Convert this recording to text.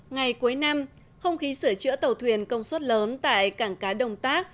ngày cuối năm không khí sửa chữa tàu thuyền công suất lớn tại cảng cá đồng tác